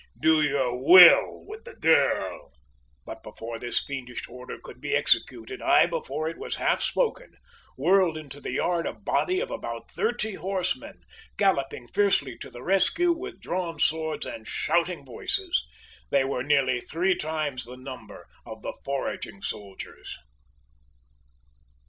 do your will with the girl!" But before this fiendish order could be executed, ay, before it was half spoken, whirled into the yard a body or about thirty horsemen, galloping fiercely to the rescue with drawn swords and shouting voices. They were nearly three times the number of the foraging soldiers.